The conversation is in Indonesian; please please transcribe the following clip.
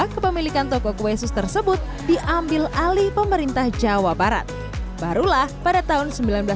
seribu sembilan ratus empat puluh dua kepemilikan toko kue sus tersebut diambil alih pemerintah jawa barat barulah pada tahun